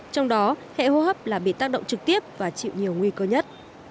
trong đó hệ hô hấp là bị tác động trực tiếp và chịu nhiều nguy cơ nhất